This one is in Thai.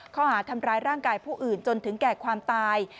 ข้อหาทำร้ายร่างกายผู้อื่นจนถึงแก่ความตาย